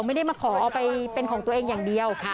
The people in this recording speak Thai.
ไม่ได้มาขอเอาไปเป็นของตัวเองอย่างเดียว